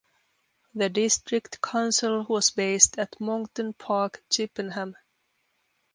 The district council was based at Monkton Park, Chippenham.